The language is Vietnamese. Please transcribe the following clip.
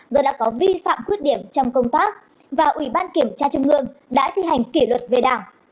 do đã có vi phạm khuyết điểm trong công tác và ubnd đã thi hành kỷ luật về đảng